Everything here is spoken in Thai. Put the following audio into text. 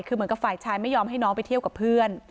คือเหมือนกับฝ่ายชายไม่ยอมให้น้องไปเที่ยวกับเพื่อน